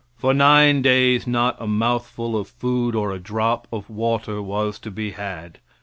For nine days not a mouthful of food or a drop of water was to be had.